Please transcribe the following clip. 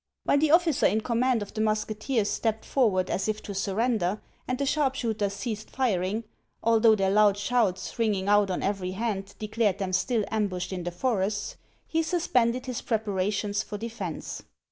When the officer in command of the musketeers stepped forward as if to surrender, and the sharpshooters ceased firing, although their loud shouts, ringing out on every hand, declared them still ambushed in the forests, he sus pended his preparations for defence.